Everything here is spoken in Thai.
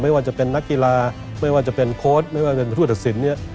ไม่ว่าจะเป็นนักกีฬาไม่ว่าจะเป็นโค้ชไม่ว่าจะเป็นผู้ศักดรรษิชนิดนี้